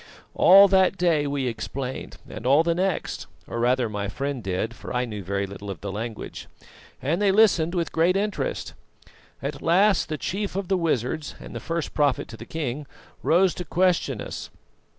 All that day we explained and all the next or rather my friend did, for I knew very little of the language and they listened with great interest. At last the chief of the wizards and the first prophet to the king rose to question us.